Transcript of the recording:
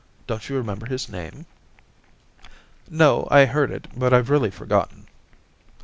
... Don't you remember his name ?'* No ; I heard it, but I've really forgotten.'